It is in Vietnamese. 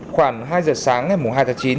khoảng hai h sáng ngày hai chín